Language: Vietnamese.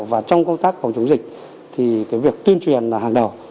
và trong công tác phòng chống dịch thì cái việc tuyên truyền là hàng đầu